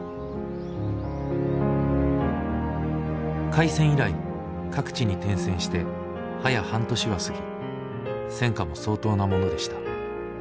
「開戦以来各地に転戦して早や半年は過ぎ戦果も相当なものでした。